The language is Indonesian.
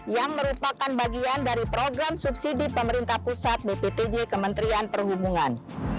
yang merupakan bagian dari program subsidi pemerintah pusat bptj kementerian perhubungan